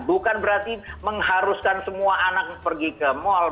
bukan berarti mengharuskan semua anak pergi ke mal